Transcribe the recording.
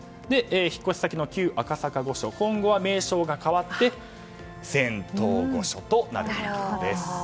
引っ越し先の旧赤坂御所は今後は名称が変わって仙洞御所となるそうです。